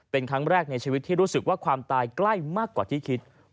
เป็นครั้งแรกในชีวิตที่รู้สึกว่าความตายใกล้มากกว่าที่คิด